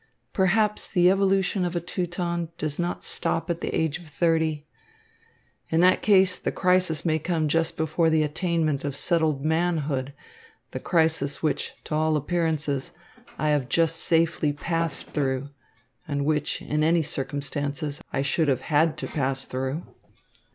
Perhaps the evolution of a Teuton does not stop at the age of thirty. In that case the crisis may come just before the attainment of settled manhood, the crisis which, to all appearances, I have just safely passed through, and which, in any circumstances, I should have had to pass through."